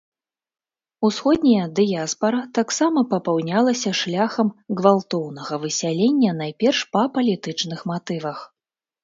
Усходняя дыяспара таксама папаўнялася шляхам гвалтоўнага высялення найперш па палітычных матывах.